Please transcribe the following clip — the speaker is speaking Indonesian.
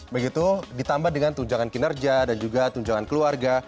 begitu ditambah dengan tunjangan kinerja dan juga tunjangan keluarga